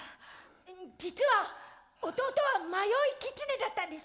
実は弟は迷いキツネだったんです。